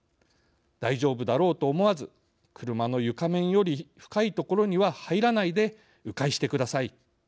大丈夫だろうと思わず車の床面より深い所には入らないでう回してください。